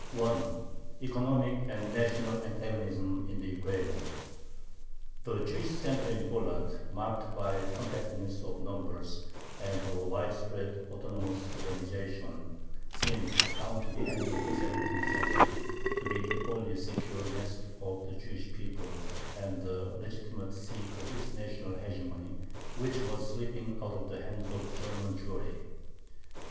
ECONOMIC AND NATIONAL ANTAGONISM IN THE UKRAINA The Jewish center in Poland, marked by compactness of numbers and a widespread autonomous organization, seemed, down to the end of the seventeenth century, to be the only secure nest of the Jewish people and the legitimate seat of its national hegemony, which was slipping out of the hands of German Jewry.